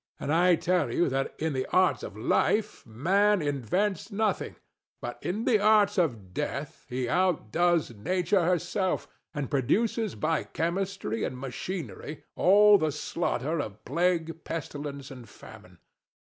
And I tell you that in the arts of life man invents nothing; but in the arts of death he outdoes Nature herself, and produces by chemistry and machinery all the slaughter of plague, pestilence and famine.